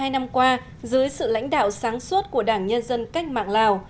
sáu mươi hai năm qua dưới sự lãnh đạo sáng suốt của đảng nhân dân cách mạng lào